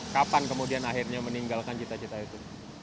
kapan kemudian akhirnya meninggalkan cita cita itu